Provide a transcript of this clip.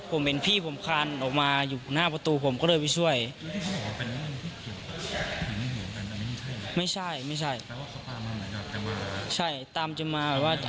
ผมเห็นพี่ผมคานออกมาอยู่หน้าประตูผมก็เลยไปช่วย